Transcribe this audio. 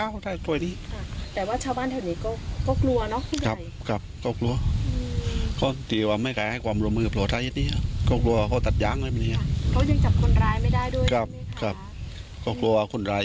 ผู้ตายคือรักษาอาการจีธเวษมา๘ปีแล้วนะ